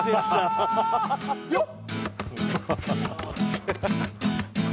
よっ！